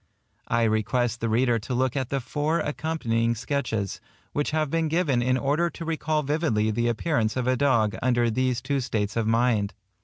I request the reader to look at the four accompanying sketches, which have been given in order to recall vividly the appearance of a dog under these two states of mind.